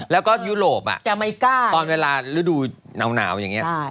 แล้วก็ยุโรปตอนเวลาฤดูหนาวอย่างนี้